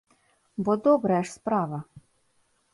Бо добрая ж справа!